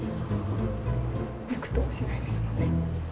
びくともしないですね。